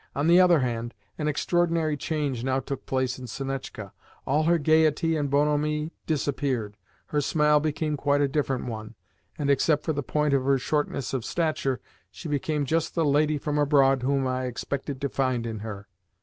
On the other hand, an extraordinary change now took place in Sonetchka. All her gaiety and bonhomie disappeared, her smile became quite a different one, and, except for the point of her shortness of stature, she became just the lady from abroad whom I had expected to find in her.